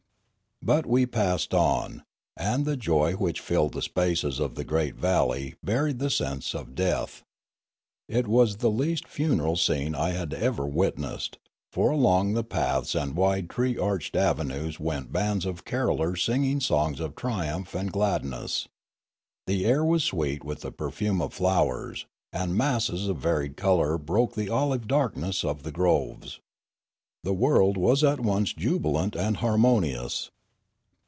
But we passed on; and the joy which filled the spaces of the great valley buried the sense of death. It was the least funereal scene I had' ever witnessed ; for along the paths and wide tree arched avenues went bands of carollers singing songs of triumph and glad ness, the air was sweet with the perfume of flowers, and masses of varied colour broke the olive darkness of the groves. The world was at once jubilant and harmonious.